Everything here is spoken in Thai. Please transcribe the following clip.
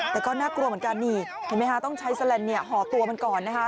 แต่ก็น่ากลัวเหมือนกันนี่ต้องใช้แซลนด์เผ่อตัวมันก่อนนะคะ